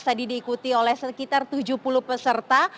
tadi diikuti oleh sekitar tujuh puluh peserta